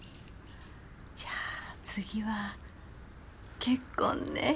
じゃあ次は結婚ね。